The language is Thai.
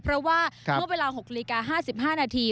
เพราะว่าเมื่อเวลา๖นาฬิกา๕๕นาที